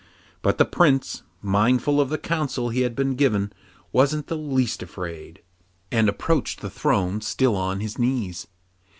But the Prince, mindful of the counsel he had been given, wasn't the least afraid, and approached the throne still on his knees.